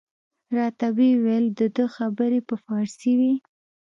راته ویې ویل د ده خبرې په فارسي وې.